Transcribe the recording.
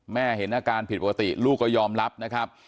เห็นอาการผิดปกติลูกก็ยอมรับนะครับ